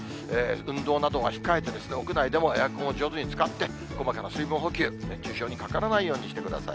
運動などは控えてですね、屋内でもエアコンを上手に使って、細かな水分補給、熱中症にかからないようにしてください。